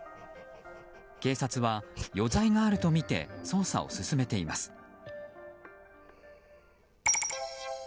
警察は余罪があるとみて捜査を進めています。